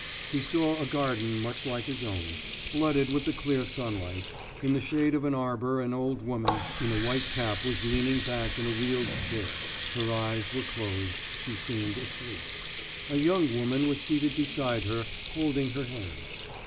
He saw a garden much like his own, flooded with the clear sunlight, in the shade of an arbor an old woman in a white cap was leaning back in a wheeled chair, her eyes were closed, she seemed asleep. A young woman was seated beside her holding her hand.